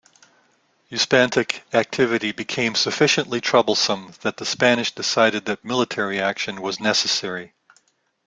Uspantek activity became sufficiently troublesome that the Spanish decided that military action was necessary.